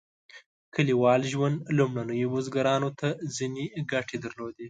کلیوال ژوند لومړنیو بزګرانو ته ځینې ګټې درلودې.